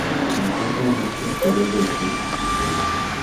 Se encuentran en Asia: Corea del Sur.